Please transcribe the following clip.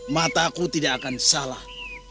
mataku tidak akan salah